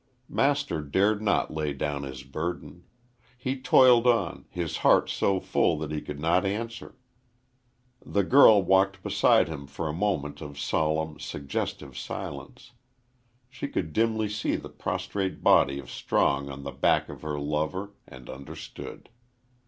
Master dared not lay down his burden. He toiled on, his heart so full that he could not answer. The girl walked beside him for a moment of solemn, suggestive silence. She could dimly see the prostrate body of Strong on the back of her lover, and understood.